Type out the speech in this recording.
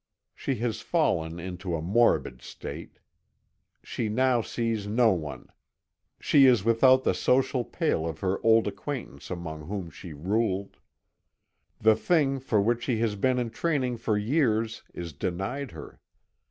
She has fallen into a morbid state. She now sees no one. She is without the social pale of her old acquaintance among whom she ruled. The thing for which she has been in training for years is denied her.